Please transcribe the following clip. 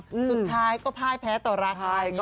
สุดท้ายก็พ่ายแพ้ต่อราคาอีกหรอ